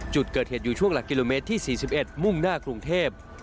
จุดเกิดเหตุอยู่ช่วงหลักกิโลเมตรที่๔๑มุ่งหน้ากรุงเทพ